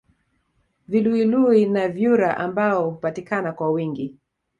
Viluwiluwi na vyura ambao hupatikana kwa wingi